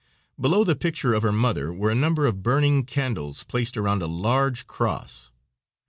Below the picture of her mother were a number of burning candles placed around a large cross.